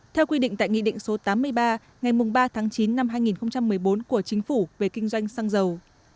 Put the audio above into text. theo quy định tại nghị định số tám mươi ba ngày ba tháng chín năm hai nghìn một mươi bốn của chính phủ về kinh doanh xăng dầu